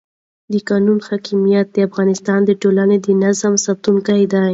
د قانون حاکمیت د افغانستان د ټولنې د نظم ساتونکی دی